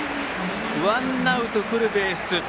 ワンアウトフルベース。